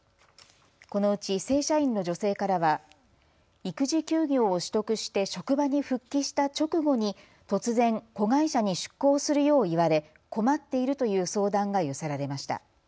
このうち正社員の女性からは育児休業を取得して職場に復帰した直後に突然、子会社に出向するよう言われ、困っているという相談が寄せられました。